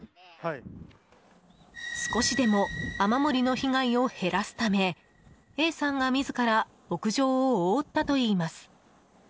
少しでも雨漏りの被害を減らすためＡさんが自ら屋上を覆ったといいます。